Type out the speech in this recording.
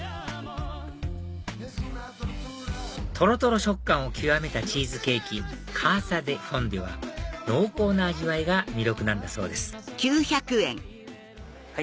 とろとろ食感を極めたチーズケーキカーサデフォンデュは濃厚な味わいが魅力なんだそうです